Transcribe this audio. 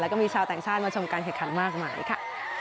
แล้วก็มีชาวต่างชาติมาชมการแข่งขันมากมายค่ะ